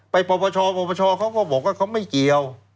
ปปชปรปชเขาก็บอกว่าเขาไม่เกี่ยว